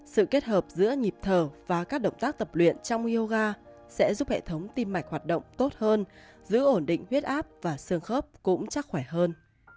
sự kết hợp giữa nhịp thờ và các động tác tập luyện trong yoga sẽ giúp hệ thống tim mạch hoạt động tốt hơn giữ ổn định huyết áp và xương khớp cũng chắc khỏe hơn